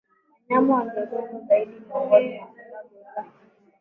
wanyama waliogongwa zaidi Miongoni mwa sababu za